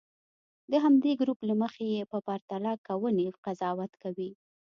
د همدې ګروپ له مخې یې په پرتله کوونې قضاوت کوي.